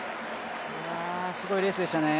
すごいレースでしたね。